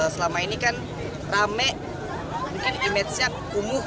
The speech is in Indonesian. selama ini kan rame mungkin image nya kumuh